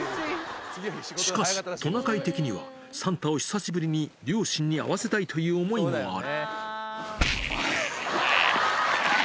しかし、トナカイ的にはサンタを久しぶりに両親に会わせたいという思いもお前！